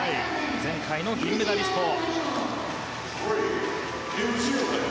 前回の銀メダリストです。